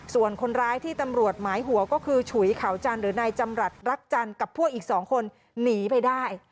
ส่วนคนร้ายที่ตำรวจหมายหัวก็คือฉุยเขาจันทร์หรือนายจำรัฐรักจันทร์กับพวกอีก๒คนหนีไปได้